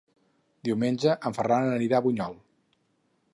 Diumenge en Ferran anirà a Bunyol.